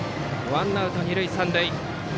ワンアウト、二塁三塁。